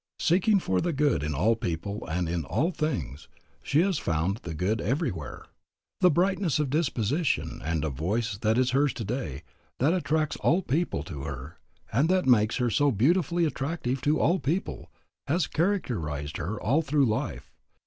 Seeking for the good in all people and in all things, she has found the good everywhere. The brightness of disposition and of voice that is hers today, that attracts all people to her and that makes her so beautifully attractive to all people, has characterized her all through life.